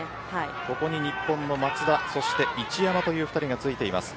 ここに日本の松田、一山という２人がついています。